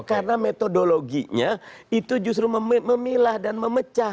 karena metodologinya itu justru memilah dan memecah